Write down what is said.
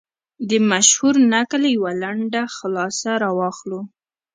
د مشهور نکل یوه لنډه خلاصه را واخلو.